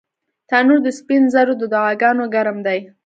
تنور د سپین زرو د دعاګانو ګرم دی